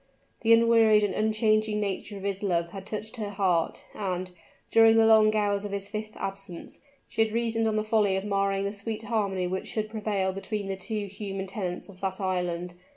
The unwearied and unchanging nature of his love had touched her heart; and, during the long hours of his fifth absence, she had reasoned on the folly of marring the sweet harmony which should prevail between the only two human tenants of that island.